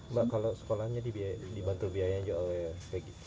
mbak kalau sekolahnya dibantu biaya juga oleh peggy